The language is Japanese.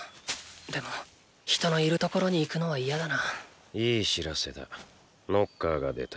でも人のいる所に行くのは嫌だないい知らせだノッカーが出た。